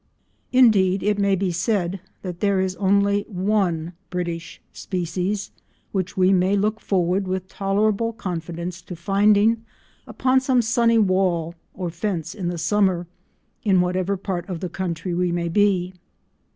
Indeed it may be said that there is only one British species which we may look forward with tolerable confidence to finding upon some sunny wall or fence in the summer, in whatever part of the country we may be.